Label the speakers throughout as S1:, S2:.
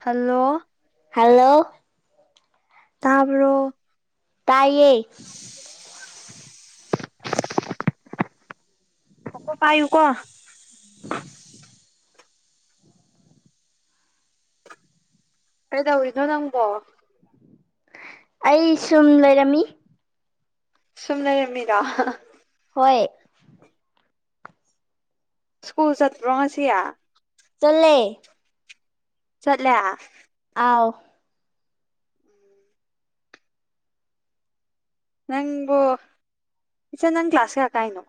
S1: hello
S2: hello
S1: ꯇꯥꯕꯔꯣ
S2: ꯇꯥꯏꯌꯦ
S1: [inaudible] Koko ꯄꯥꯏꯌꯨꯀꯣ
S2: [inaudible]
S1: ꯀꯩꯗꯧꯔꯤꯅꯣ ꯅꯪꯕꯣ
S2: ꯑꯩ ꯁꯨꯝ ꯂꯩꯔꯝꯃꯤ
S1: ꯁꯨꯝ ꯂꯩꯔꯝꯃꯤꯔꯣ
S2: ꯍꯣꯏ
S1: ꯁ꯭ꯀꯨꯜ ꯆꯠꯄꯔꯣꯉꯁꯤꯌꯥ
S2: ꯆꯠꯂꯦ
S1: ꯆꯠꯂꯦ
S2: ꯑꯥꯎ
S1: ꯅꯪꯕꯨ ꯏꯆꯟ ꯅꯪ ꯀ꯭ꯂꯥꯁ ꯀꯌꯥ ꯀꯥꯏꯅꯣ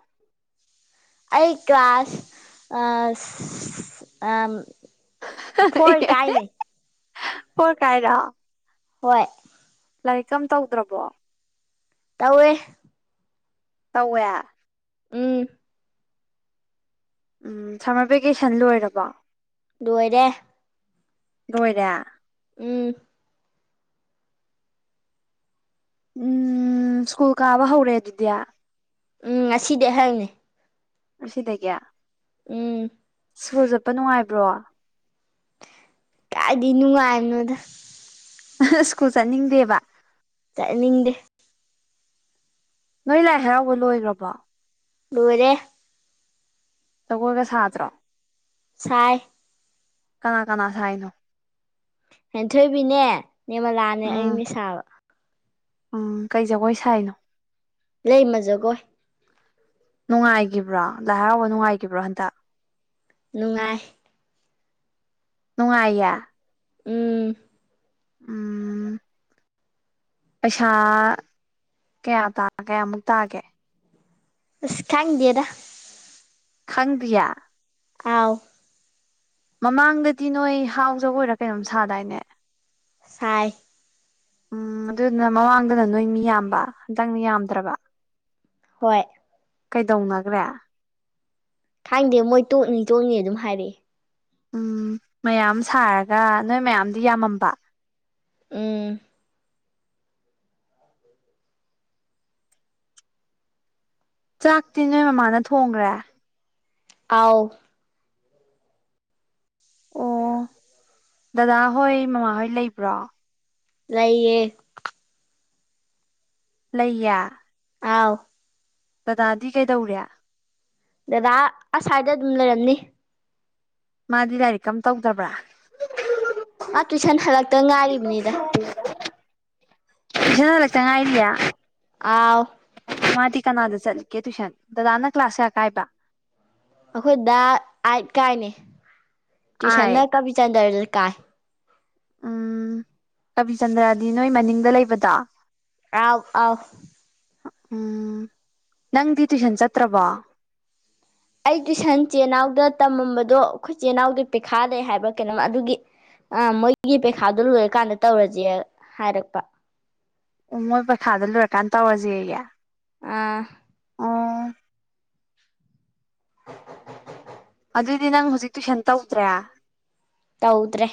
S2: ꯑꯩ ꯀ꯭ꯂꯥꯁ ꯀ꯭ꯂꯥꯁ ꯑ ꯑ
S1: ꯐꯣꯔ ꯀꯥꯏꯔꯣ
S2: ꯍꯣꯏ
S1: ꯂꯥꯏꯔꯤꯛ ꯀꯝ ꯇꯧꯗ꯭ꯔꯕꯣ
S2: ꯇꯧꯋꯦ
S1: ꯇꯧꯋꯦ
S2: ꯎ
S1: ꯎꯝ ꯁꯝꯃꯔ ꯚꯦꯀꯦꯁꯟ ꯂꯣꯏꯔꯕꯣ
S2: ꯂꯣꯏꯔꯦ
S1: ꯂꯣꯏꯔꯦ
S2: ꯎꯝ
S1: ꯎꯝ ꯁ꯭ꯀꯨꯜ ꯀꯥꯕ ꯍꯧꯔꯛꯑꯦ ꯑꯗꯨꯗꯤ
S2: ꯎꯝ ꯉꯁꯤꯗꯤ ꯑꯩꯍꯪꯅꯤ
S1: ꯁꯤꯗ ꯀꯌꯥ
S2: ꯎꯝ
S1: ꯁꯥꯆꯨꯜ ꯆꯠꯄ ꯅꯨꯡꯉꯥꯏꯕ꯭ꯔꯣ
S2: ꯀꯥꯏꯗꯤ ꯅꯨꯡꯉꯥꯏꯅꯣꯗ
S1: ꯁ꯭ꯀꯨꯜ ꯆꯠꯅꯤꯡꯗꯦꯕ
S2: ꯆꯠꯅꯤꯡꯗꯦ
S1: ꯅꯣꯏ ꯂꯥꯏ ꯍꯔꯥꯎꯕ ꯂꯣꯏꯈ꯭ꯔꯕꯣ
S2: ꯂꯣꯏꯔꯦ
S1: ꯖꯒꯣꯏꯒ ꯁꯥꯗ꯭ꯔꯣ
S2: ꯁꯥꯏ
S1: ꯀꯅꯥ ꯀꯅꯥ ꯁꯥꯏꯅꯣ
S2: ꯍꯦꯟꯊꯣꯏꯕꯤꯅꯦ ꯅꯦꯃꯂꯥꯅꯦ ꯑꯩꯅꯦ ꯁꯥꯥꯕ
S1: ꯑ ꯀꯩ ꯖꯒꯣꯏ ꯁꯥꯏꯅꯣ
S2: ꯂꯥꯏꯃꯥ ꯖꯒꯣꯏ
S1: ꯅꯨꯡꯉꯥꯏꯈꯤꯕ꯭ꯔꯣ ꯂꯥꯏ ꯍꯥꯎꯕ ꯅꯨꯡꯉꯥꯏꯈꯤꯕ꯭ꯔꯣ ꯍꯟꯗꯛ
S2: ꯅꯨꯡꯉꯥꯏ
S1: ꯅꯨꯡꯉꯥꯏꯌꯦ
S2: ꯎꯝ
S1: ꯎꯝ ꯄꯩꯁꯥ ꯀꯌꯥ ꯀꯌꯥꯃꯨꯛ ꯇꯥꯒꯦ
S2: ꯑꯁ ꯈꯥꯡꯉꯗꯦꯗ
S1: ꯈꯪꯗꯤꯌꯦ
S2: ꯑꯥꯎ
S1: ꯃꯃꯥꯡꯗꯗꯤ ꯅꯣꯏ ꯍꯥꯎꯖꯒꯣꯏꯔ ꯀꯩꯅꯣꯝ ꯁꯥꯗꯥꯏꯅꯦ
S2: ꯁꯥꯏ
S1: ꯎꯝ ꯑꯗꯨꯗꯨꯅ ꯃꯃꯥꯡꯗꯅ ꯅꯣꯏ ꯃꯤ ꯌꯥꯝꯕ ꯍꯟꯗꯪꯗꯤ ꯌꯥꯝꯗ꯭ꯔꯕ
S2: ꯍꯣꯏ
S1: ꯀꯩꯗꯧꯅꯈ꯭ꯔꯦ
S2: ꯊꯥꯡꯗꯦ ꯃꯣꯏ ꯇꯣꯛꯅꯤ ꯇꯣꯛꯅꯤ ꯑꯗꯨꯝ ꯍꯥꯏꯔꯛꯑꯦ
S1: ꯎꯝ ꯃꯌꯥꯝ ꯁꯥꯔꯒ ꯅꯣꯏ ꯃꯌꯥꯝꯗꯤ ꯌꯥꯝꯃꯝꯕ
S2: ꯎꯝ
S1: ꯆꯥꯛꯇꯤ ꯅꯣꯏ ꯃꯃꯥꯅ ꯊꯣꯡꯈ꯭ꯔꯦ
S2: ꯑꯥꯎ
S1: ꯑꯣ ꯗꯗꯥ ꯍꯣꯏ ꯃꯃꯥꯍꯣꯏ ꯂꯩꯕ꯭ꯔꯣ
S2: ꯂꯩꯌꯦ
S1: ꯂꯩꯌꯥ
S2: ꯑꯥꯎ
S1: ꯗꯥꯗꯤ ꯀꯩꯗꯧꯔꯤ
S2: ꯗꯗꯥ ꯑꯁ꯭ꯋꯥꯏꯗ ꯑꯗꯨꯝ ꯂꯩꯔꯝꯅꯤ
S1: ꯃꯥꯗꯤ ꯂꯥꯏꯔꯤꯛ ꯀꯝ ꯇꯧꯗꯕ꯭ꯔꯥ
S2: ꯃꯥ ꯇꯨꯏꯁꯟ ꯍꯜꯂꯛꯇ ꯉꯥꯏꯔꯤꯕꯅꯤꯗ
S1: [unintelligible] ꯇꯨꯏꯁꯜ ꯏꯜꯂꯛꯇ ꯉꯥꯏꯔꯤꯌꯦ
S2: ꯑꯥꯎ
S1: ꯃꯥꯗꯤ ꯀꯅꯥꯗ ꯆꯠꯂꯤꯒꯦ ꯇꯨꯏꯁꯟ ꯗꯗꯥꯅ ꯀ꯭ꯂꯥꯁ ꯀꯌꯥ ꯀꯥꯏꯕ
S2: ꯑꯩꯈꯣꯏꯗ ꯑꯥꯏꯠ ꯀꯥꯏꯅꯤ ꯇꯨꯏꯁꯟꯅ
S1: ꯑꯥꯏꯠ
S2: ꯀꯕꯤꯆꯟꯗ꯭ꯔ ꯀꯥꯏ
S1: ꯎꯝ ꯀꯕꯤꯆꯟꯗ꯭ꯔꯗꯤ ꯅꯣꯏ ꯃꯅꯤꯡꯗ ꯂꯩꯕꯗ
S2: ꯑꯥꯎ ꯑꯥꯎ
S1: ꯎꯝ ꯅꯪꯗꯤ ꯇꯨꯏꯁꯟ ꯆꯠꯇ꯭ꯔꯕꯣ
S2: ꯑꯩ ꯇꯨꯏꯁꯟ ꯆꯦ ꯅꯥꯎꯗ ꯇꯝꯃꯝꯕꯗꯣ ꯑꯩꯈꯣꯏꯆꯦ ꯏꯅꯥꯎꯗ ꯄꯤꯈꯥ ꯂꯩꯦ ꯍꯥꯏꯕ ꯀꯩꯅꯣ ꯑꯗꯨꯒꯤ ꯑꯥ ꯃꯣꯏꯒꯤ ꯄꯩꯈꯥꯗꯨꯣ ꯂꯣꯏꯔꯀꯥꯟꯗ ꯇꯧꯔꯁꯦ ꯍꯥꯏꯔꯛꯄ
S1: ꯑꯣ ꯃꯣꯏ ꯄꯩꯈꯥꯗ ꯂꯣꯏꯔꯀꯥꯟꯗ ꯇꯧꯔꯁꯦꯌꯦ
S2: ꯑꯥ
S1: ꯑꯣ
S2: [unintelligible]
S1: ꯑꯗꯨꯑꯣꯏꯗꯤ ꯅꯪ ꯍꯧꯖꯤꯛ ꯇꯨꯏꯁꯟ ꯇꯧꯗ꯭ꯔꯦ
S2: ꯇꯧꯗ꯭ꯔꯦ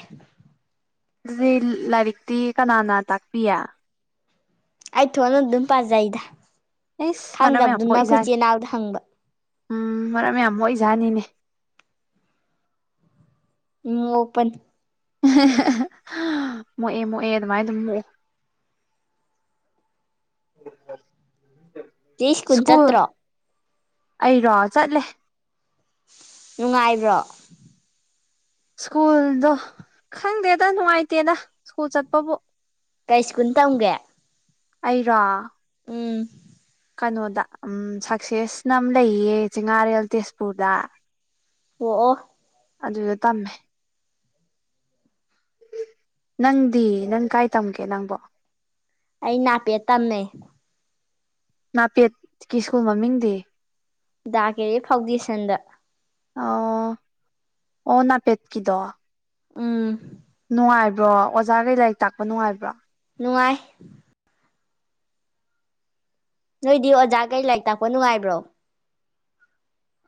S1: ꯑꯗꯨꯗꯤ ꯂꯥꯏꯔꯤꯛꯇꯤ ꯀꯅꯥꯅ ꯇꯥꯛꯄꯤ
S2: ꯑꯩ ꯊꯣꯟꯅ ꯑꯗꯨꯝ ꯄꯥꯖꯩꯗ
S1: ꯑꯩꯁ ꯃꯔꯝ ꯌꯥꯝ
S2: ꯈꯪꯗꯕꯗꯨꯅ
S1: ꯃꯣꯛꯏꯖꯥꯠ
S2: ꯑꯩꯈꯣꯏꯆꯦ ꯏꯅꯥꯎꯗ ꯍꯪꯕ
S1: ꯎꯝ ꯃꯔꯝ ꯌꯥꯝ ꯃ ꯑꯣꯏꯖꯥꯠꯅꯤꯅꯦ
S2: ꯃꯣꯛꯄꯅꯤ
S1: ꯃꯣꯛꯑꯦ ꯃꯣꯛꯑꯦ ꯑꯗꯨꯃꯥꯏꯅ ꯑꯗꯨꯝ ꯃꯣꯛꯑꯣ
S2: ꯎꯝ
S1: ꯁ꯭ꯀꯨꯜ ꯑꯩꯔꯣ ꯆꯠꯂꯦ
S2: ꯅꯨꯡꯉꯥꯏꯕ꯭ꯔꯣ
S1: ꯁ꯭ꯀꯨꯜꯗꯣ ꯈꯪꯗꯦꯗ ꯅꯨꯡꯉꯥꯏꯇꯦꯗ ꯁ꯭ꯀꯨꯜ ꯆꯠꯄꯕꯨ
S2: ꯀꯩ ꯁꯀꯨꯟ ꯇꯝꯒꯦ
S1: ꯑꯩꯔꯥ
S2: ꯎꯝ
S1: ꯀꯩꯅꯣꯗ ꯎꯝ ꯁꯛꯁꯦꯁꯅ ꯑꯃ ꯂꯩꯌꯦ ꯆꯤꯉꯥꯔꯦꯜ ꯇꯦꯖꯄꯨꯔꯗ
S2: ꯑꯣ ꯑꯣ
S1: ꯑꯗꯨꯗ ꯇꯝꯃꯦ ꯅꯪꯗꯤ ꯅꯪ ꯀꯥꯏ ꯇꯝꯒꯦ ꯅꯪꯕꯣ
S2: ꯑꯩ ꯅꯥꯄꯦꯠ ꯇꯝꯃꯦ
S1: ꯅꯥꯄꯦꯠꯀꯤ ꯁ꯭ꯀꯨꯜ ꯃꯃꯤꯡꯗꯤ
S2: ꯗꯥꯀꯦꯔꯦ ꯐꯥꯎꯗꯦꯁꯟꯗ
S1: ꯑ ꯑꯣ ꯅꯥꯄꯦꯠ ꯀꯗꯣ
S2: ꯎꯝ
S1: ꯅꯨꯡꯉꯥꯏꯕ꯭ꯔꯣ ꯑꯣꯖꯥꯈꯩ ꯂꯥꯏꯔꯤꯛ ꯇꯥꯛꯄ ꯅꯨꯡꯉꯥꯏꯕ꯭ꯔꯣ
S2: ꯅꯨꯡꯉꯥꯏ ꯅꯣꯏꯗꯤ ꯑꯣꯖꯥ ꯀꯔꯤ ꯂꯥꯏꯔꯤꯛ ꯇꯥꯛꯄ ꯅꯨꯡꯉꯥꯏꯕ꯭ꯔꯣ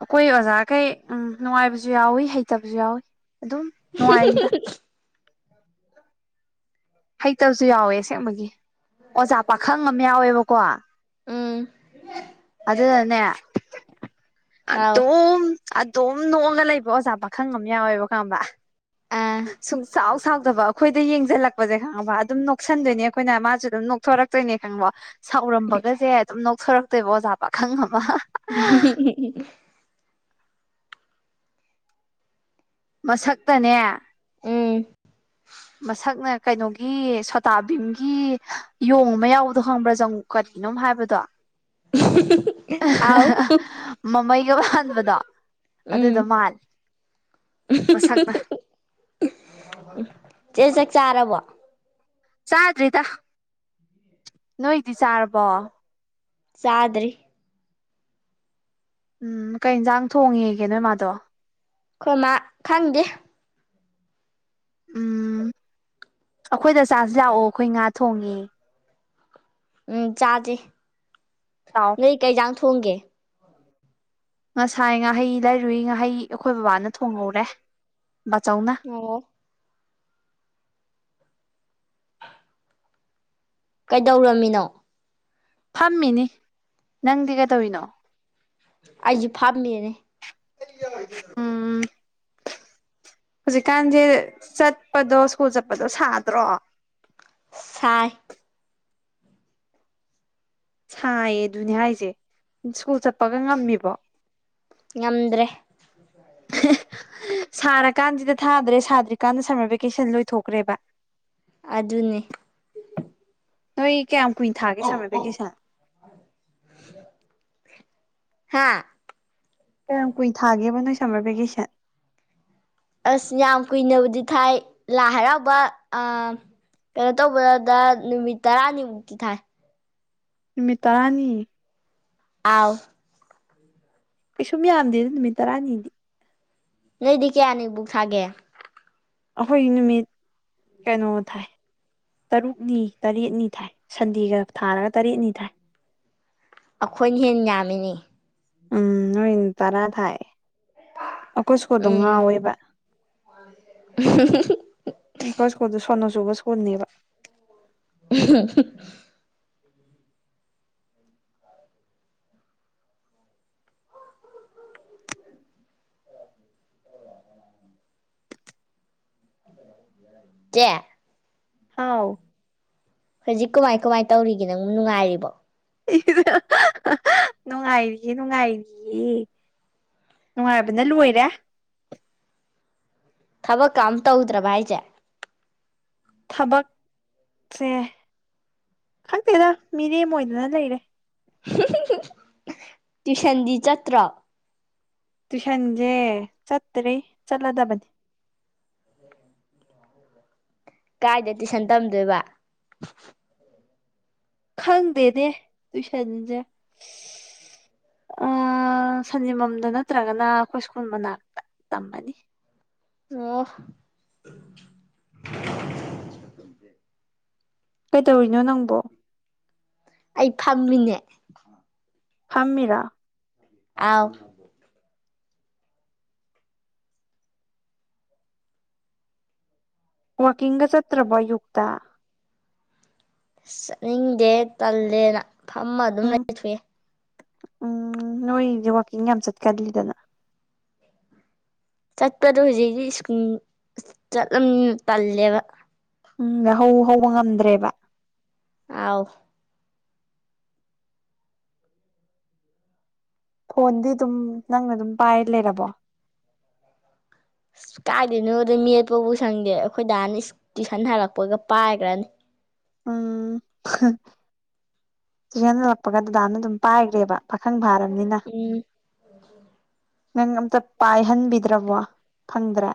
S1: ꯑꯩꯈꯣꯏ ꯑꯣꯖꯥꯈꯩ ꯎꯝ ꯅꯨꯡꯉꯥꯏꯕꯁꯨ ꯌꯥꯎꯏꯤ ꯍꯩꯇꯕꯁꯨ ꯌꯥꯎꯏꯤ ꯑꯗꯨꯝ ꯅꯨꯡꯉꯥꯏꯔꯤꯗ [inaudible] ꯍꯩꯇꯕꯁꯨ ꯌꯥꯎꯋꯦ ꯑꯁꯦꯡꯕꯒꯤ ꯑꯣꯖꯥ ꯄꯥꯈꯪ ꯑꯃ ꯌꯥꯎꯋꯦꯕꯀꯣ
S2: ꯎꯝ
S1: ꯑꯗꯗꯅꯦ ꯑ
S2: ꯑꯥꯎ
S1: ꯇꯣ ꯑꯗꯨꯝ ꯅꯣꯛꯉꯒ ꯂꯩꯕ ꯑꯣꯖꯥ ꯄꯥꯈꯪ ꯑꯃ ꯌꯥꯎꯋꯦꯕꯀꯝꯕ
S2: ꯑꯥ
S1: ꯁꯨꯝ ꯆꯥꯎ ꯁꯥꯎꯗꯕ ꯑꯩꯈꯣꯏꯗ ꯌꯦꯡꯁꯤꯜꯂꯛꯄꯁꯦ ꯈꯪꯉꯕ ꯑꯗꯨꯝ ꯅꯣꯛꯁꯟꯗꯣꯏꯅꯦ ꯑꯩꯈꯣꯏꯅ ꯃꯥꯁꯨ ꯑꯗꯨꯝ ꯅꯣꯛꯊꯣꯔꯛꯇꯣꯏꯅꯦ ꯈꯪꯉꯕ ꯁꯥꯎꯔꯝꯕꯒꯁꯦ ꯑꯗꯨꯝ ꯅꯣꯛꯊꯣꯔꯛꯇꯣꯏꯕ ꯑꯣꯖꯥ ꯄꯥꯈꯪ ꯑꯃ
S2: ꯎ
S1: ꯃꯁꯛꯇꯅꯦ
S2: ꯎꯝ
S1: ꯃꯁꯛꯅ ꯀꯩꯅꯣꯒꯤ ꯁꯣꯇꯥꯕꯤꯝꯒꯤ ꯌꯣꯡ ꯑꯃ ꯌꯥꯎꯕꯗꯣ ꯈꯪꯕ꯭ꯔꯥ ꯆꯪ ꯀꯔꯤꯅꯣꯝ ꯍꯥꯏꯕꯗꯣ
S2: ꯑꯥꯎ
S1: [unintelligible] ꯃꯃꯩꯒ ꯄꯥꯟꯕꯗꯣ ꯑꯗꯨꯗꯣ
S2: ꯎꯝ
S1: ꯃꯥꯜꯂꯦ ꯃꯁꯛꯅ
S2: [unintelligible] ꯆꯦ ꯆꯥꯛ ꯆꯥꯔꯕꯣ
S1: ꯆꯥꯗ꯭ꯔꯤꯗ ꯅꯣꯏꯗꯤ ꯆꯥꯔꯕꯣ
S2: ꯆꯥꯗ꯭ꯔꯤ
S1: ꯎꯝ ꯀꯩ ꯌꯦꯟꯁꯥꯡ ꯊꯣꯡꯉꯦꯒꯦ ꯅꯣꯏ ꯃꯥꯗꯣ
S2: ꯈꯣꯏꯃꯥ ꯈꯪꯗꯦ
S1: ꯎꯝ ꯑꯩꯈꯣꯏꯗ ꯆꯥꯖꯦ ꯂꯥꯛꯑꯣ ꯑꯩꯈꯣꯏ ꯉꯥ ꯊꯣꯡꯉꯤ
S2: ꯎꯝ ꯆꯥꯖꯤ
S1: ꯂꯥꯛꯑꯣ
S2: ꯅꯣꯏ ꯀꯩ ꯏꯟꯖꯥꯡ ꯊꯣꯡꯒꯦ
S1: ꯉꯁꯥꯏ ꯉꯥꯍꯩ ꯂꯩꯔꯨꯏ ꯉꯥꯍꯩ ꯑꯩꯈꯣꯏ ꯕꯕꯥꯅ ꯊꯣꯡꯍꯧꯔꯦ ꯕꯥꯆꯧꯅ
S2: ꯑꯣ ꯀꯩꯗꯧꯔꯝꯃꯤꯅꯣ
S1: ꯐꯝꯃꯤꯅꯤ ꯅꯪꯗꯤ ꯀꯩꯗꯧꯔꯤꯅꯣ
S2: ꯑꯩꯁꯨ ꯐꯝꯃꯤꯅꯦ
S1: [unintelligible] ꯎꯝ ꯍꯧꯖꯤꯛꯀꯥꯟꯁꯦ ꯆꯠꯄꯗꯣ ꯁ꯭ꯀꯨꯜ ꯆꯠꯄꯗꯣ ꯁꯥꯗ꯭ꯔꯣ
S2: ꯁꯥꯏ
S1: ꯁꯥꯏꯌꯦ ꯑꯗꯨꯅꯦ ꯍꯥꯏꯁꯦ ꯁ꯭ꯀꯨꯜ ꯆꯠꯄꯒ ꯉꯝꯃꯤꯕꯣ
S2: ꯉꯝꯗ꯭ꯔꯦ
S1: [unintelligible] ꯁꯥꯔꯀꯥꯟꯁꯤꯗ ꯊꯥꯗ꯭ꯔꯦ ꯁꯥꯗ꯭ꯔꯤꯀꯥꯟꯗ ꯁꯝꯃꯔ ꯚꯦꯀꯦꯁꯟ ꯂꯣꯏꯊꯣꯛꯈ꯭ꯔꯦꯕ
S2: ꯑꯗꯨꯅꯤ
S1: ꯅꯣꯏ ꯀꯌꯥꯝ ꯀꯨꯏꯅ ꯊꯥꯒꯦ ꯁꯃꯔ ꯚꯦꯀꯦꯁꯟ
S2: ꯍꯥꯥ
S1: ꯀꯌꯥꯝ ꯀꯨꯏꯅ ꯊꯥꯒꯦꯕ ꯅꯣꯏ ꯁꯝꯃꯔ ꯚꯦꯀꯦꯁꯟ
S2: ꯑꯁ ꯌꯥꯝ ꯀꯨꯏꯅꯕꯨꯗꯤ ꯊꯥꯏ ꯂꯥꯏ ꯍꯔꯥꯎꯕ ꯀꯩꯅꯣ ꯇꯧꯕꯗ ꯅꯨꯃꯤꯠ ꯇꯔꯥꯅꯤꯃꯨꯛꯇꯤ ꯊꯥꯏ
S1: ꯅꯨꯃꯤꯠ ꯇꯥꯔꯥꯅꯤ
S2: ꯑꯥꯎ
S1: ꯀꯩꯁꯨꯝ ꯌꯥꯝꯗꯦꯗ ꯅꯨꯃꯤꯠ ꯇꯔꯥꯅꯤꯗꯤ
S2: ꯅꯣꯏꯗꯤ ꯀꯌꯥꯅꯤꯕꯨꯛ ꯊꯥꯒꯦ
S1: ꯑꯩꯈꯣꯏꯒꯤ ꯅꯨꯃꯤꯠ ꯀꯩꯅꯣ ꯊꯥꯏ ꯇꯔꯨꯛꯅꯤ ꯇꯔꯦꯠꯅꯤ ꯊꯥꯏ ꯁꯟꯗꯦꯒ ꯊꯥꯔꯒ ꯇꯔꯦꯠꯅꯤ ꯊꯥꯏ
S2: ꯑꯩꯈꯣꯏꯅ ꯍꯦꯟ ꯌꯥꯝꯃꯤꯅꯦ
S1: ꯎꯝ ꯅꯣꯏ ꯇꯔꯥ ꯊꯥꯏ ꯑꯩꯈꯣꯏ ꯏꯁꯀꯨꯜꯗꯣ
S2: ꯎꯝ
S1: ꯉꯥꯎꯋꯦꯕ ꯐꯩꯈꯣꯏ ꯏꯁꯀꯨꯜꯗꯨ ꯁꯣꯅꯣꯆꯨꯕ ꯁꯀꯨꯜꯅꯦꯕ
S2: [unintelligible] ꯆꯦ
S1: ꯍꯥꯎ
S2: ꯍꯧꯖꯤꯛ ꯀꯃꯥꯏ ꯀꯃꯥꯏ ꯇꯧꯔꯤꯒꯦ ꯅꯪꯕꯨ ꯅꯨꯡꯉꯥꯏꯔꯤꯕꯣ [inaudible]
S1: [unintelligible] ꯅꯨꯡꯉꯥꯏꯔꯤꯌꯦ ꯅꯨꯡꯉꯥꯏꯔꯤꯌꯦ ꯅꯨꯡꯉꯥꯏꯕꯅ ꯂꯣꯏꯔꯦ
S2: ꯊꯕꯛꯀ ꯑꯃ ꯇꯧꯗ꯭ꯔꯕ ꯍꯥꯏꯁꯦ
S1: ꯊꯕꯛꯁꯦ ꯈꯪꯗꯦꯗ ꯃꯤꯔꯦꯝ ꯑꯣꯏꯗꯅ ꯂꯩꯔꯦ
S2: [unintelligible] ꯇ꯭ꯨꯏꯁꯟꯗꯤ ꯆꯠꯇ꯭ꯔꯣ
S1: ꯇꯨꯏꯁꯟꯁꯦ ꯆꯠꯇ꯭ꯔꯦ ꯆꯠꯂꯗꯕꯅꯦ
S2: ꯀꯥꯏꯗ ꯇꯨꯏꯁꯟ ꯇꯝꯗꯣꯏꯕ
S1: ꯈꯪꯗꯦꯅꯦ ꯇꯨꯏꯁꯟꯁꯦ ꯁꯟꯅꯤꯃꯝꯗ ꯅꯠꯇ꯭ꯔꯒꯅ ꯑꯩꯈꯣꯏ ꯁ꯭ꯀꯨꯜ ꯃꯅꯥꯛꯇ ꯇꯝꯃꯅꯤ
S2: ꯑꯣ
S1: ꯀꯩꯗꯧꯔꯤꯅꯣ ꯅꯪꯕꯣ
S2: ꯑꯩ ꯐꯝꯃꯤꯅꯦ
S1: ꯐꯝꯃꯔꯥ
S2: ꯑꯥꯎ
S1: ꯋꯥꯀꯤꯡꯒ ꯆꯠꯇ꯭ꯔ ꯕ ꯌꯨꯛꯇ
S2: ꯆꯠꯅꯤꯡꯗꯦ ꯇꯜꯂꯦꯅ ꯐꯝꯃ ꯑꯗꯨꯝ
S1: ꯎꯝ
S2: ꯂꯩꯊꯣꯛꯑꯦ
S1: ꯎꯝ ꯅꯣꯏꯁꯦ ꯋꯥꯛꯀꯤꯡ ꯌꯥꯝ ꯆꯠꯀꯗꯂꯤꯗꯅ
S2: ꯆꯠꯄꯗꯣ ꯍꯧꯖꯤꯛꯇꯤ ꯁ꯭ꯀꯨꯜ ꯆꯠꯂꯝ ꯄꯜꯂꯦꯕ
S1: ꯎꯝ ꯍꯧ ꯍꯧꯕ ꯉꯝꯗ꯭ꯔꯦꯕ
S2: ꯑꯥꯎ
S1: ꯐꯣꯟꯗꯤ ꯑꯗꯨꯝ ꯅꯪꯅ ꯑꯗꯨꯝ ꯄꯥꯏ ꯂꯩꯔꯕꯣ
S2: ꯑꯁ ꯀꯥꯏꯗꯣꯏꯅꯣꯗ ꯃꯦꯠꯄꯕꯨ ꯁꯪꯗꯦ ꯑꯩꯈꯣꯏ ꯗꯥ ꯍꯥꯟꯅ ꯇꯨꯏꯁꯟ ꯍꯜꯔꯛꯄꯒ ꯄꯥꯏꯈ꯭ꯔꯅꯤ
S1: ꯎꯝ ꯆꯨꯁꯤꯟꯁꯤꯜꯂꯛꯄꯒ ꯗꯗꯥꯅ ꯑꯗꯨꯝ ꯄꯥꯏꯈ꯭ꯔꯦꯕ ꯄꯥꯈꯪ ꯐꯥꯔꯕꯅꯤꯅ
S2: ꯎꯝ
S1: ꯅꯪ ꯑꯝꯇ ꯄꯥꯏꯍꯟꯕꯤꯗ꯭ꯔꯕꯣ ꯈꯪꯗ꯭ꯔꯦ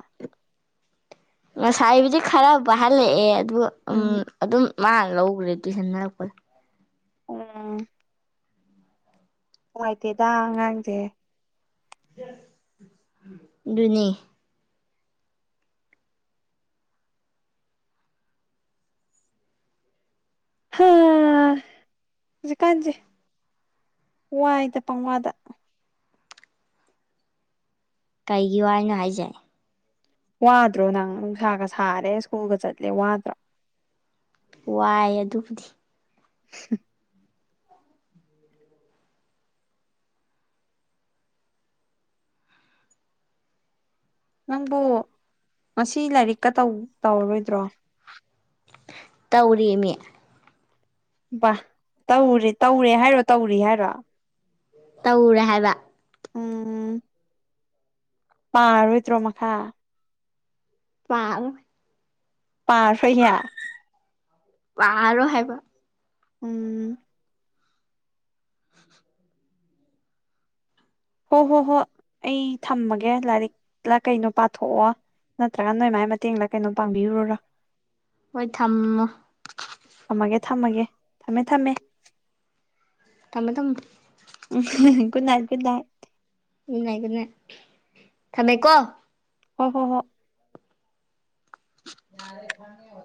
S2: ꯉꯁꯥꯏꯕꯨꯗꯤ ꯈꯔ ꯐꯍꯜꯂꯛꯑꯦ ꯑꯗꯨ
S1: ꯎꯝ
S2: ꯑꯗꯨꯝ ꯃꯥꯅ ꯂꯧꯈ꯭ꯔꯦ ꯇꯨꯁꯟꯅꯟꯅꯔꯛꯄꯗ
S1: ꯎꯝ ꯅꯨꯡꯉꯥꯏꯇꯦꯗ ꯑꯉꯥꯡꯁꯦ
S2: [unintelligible] ꯑꯗꯨꯅꯤ
S1: ꯍꯥ ꯍꯧꯖꯤꯛꯀꯥꯟꯁꯦ ꯋꯥꯏꯗ ꯄꯪꯋꯥꯗ
S2: ꯀꯩꯒꯤ ꯋꯥꯏꯅꯣ ꯍꯥꯏꯖꯦ
S1: ꯋꯥꯗ꯭ꯔꯣ ꯅꯪ ꯅꯨꯡꯁꯥꯒ ꯁꯥꯔꯦ ꯁ꯭ꯀꯨꯜꯒ ꯆꯠꯂꯦ ꯋꯥꯗ꯭ꯔꯣ
S2: ꯋꯥꯏ ꯑꯗꯨꯕꯨꯗꯤ
S1: [unintelligible] ꯅꯪꯕꯨ ꯉꯁꯤ ꯂꯥꯏꯔꯤꯛꯀ ꯇꯧ ꯇꯧꯔꯔꯣꯏꯗ꯭ꯔꯣ
S2: ꯇꯧꯔꯤꯃꯤ
S1: ꯕꯥ ꯇꯧꯔꯤ ꯇꯧꯔꯦ ꯍꯥꯏꯔꯣ ꯇꯧꯔꯤ ꯍꯥꯏꯔꯣ
S2: ꯇꯧꯔꯦ ꯍꯥꯏꯕ
S1: ꯎꯝ ꯄꯥꯔꯔꯣꯏꯗ꯭ꯔꯣ ꯃꯈꯥ
S2: [unintelligible]
S1: ꯄꯥꯔ [unintelligible]
S2: ꯄꯥꯔꯣꯏ ꯍꯥꯏꯕ
S1: ꯎꯝ
S2: [unintelligible]
S1: ꯍꯣ ꯍꯣ ꯍꯣꯏ ꯑꯩ ꯊꯝꯃꯒꯦ ꯂꯥꯏꯔꯤꯛ ꯂ ꯀꯩꯅꯣ ꯄꯥꯊꯣꯛꯑꯣ ꯅꯠꯇ꯭ꯔꯒ ꯅꯣꯏ ꯃꯥꯏ ꯃꯇꯦꯡꯂ ꯀꯩꯅꯣꯝ ꯄꯥꯡꯕꯤꯔꯨꯔꯣ
S2: ꯃꯣꯏ ꯊꯝꯃꯣ
S1: ꯊꯝꯃꯒꯦ ꯊꯝꯃꯒꯦ ꯊꯝꯃꯦ ꯊꯝꯃꯦ
S2: ꯇꯃꯦ ꯊꯝ
S1: [unintelligible]
S2: [unintelligible] ꯊꯝꯃꯦꯀꯣ
S1: ꯍꯣ ꯍꯣ ꯍꯣ
S2: [unintelligible]